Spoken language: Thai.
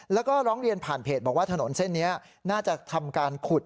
แล้วก็ร้องเรียนผ่านเพจบอกว่าถนนเส้นนี้น่าจะทำการขุด